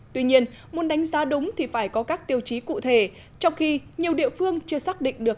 tuy nhiên muốn đánh giá đúng thì phải có các tiêu chí cụ thể trong khi nhiều địa phương chưa xác định được